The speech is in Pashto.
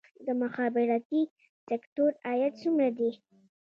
د مخابراتي سکتور عاید څومره دی؟